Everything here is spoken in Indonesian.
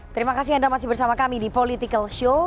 terima kasih anda masih bersama kami di political show